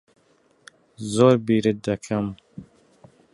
زۆر بیرت دەکەم.